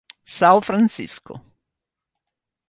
São Francisco